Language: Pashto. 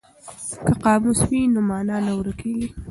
که قاموس وي نو مانا نه ورکیږي.